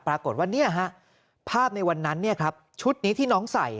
ปรากฏว่าภาพในวันนั้นชุดนี้ที่น้องใส่